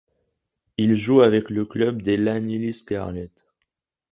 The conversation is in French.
Il joue avec le club des Llanelli Scarlets.